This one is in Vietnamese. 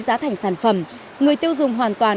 giá thành sản phẩm người tiêu dùng hoàn toàn